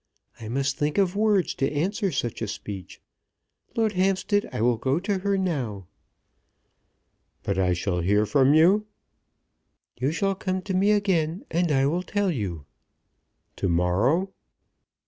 I must think of words to answer such a speech. Lord Hampstead, I will go to her now." "But I shall hear from you." "You shall come to me again, and I will tell you." "To morrow?"